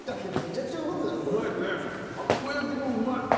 玉子焼きもうまい。